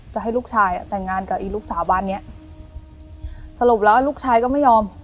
จะให้ลูกชายอ่ะแต่งงานกับอีลูกสาวบ้านเนี้ยสรุปแล้วลูกชายก็ไม่ยอม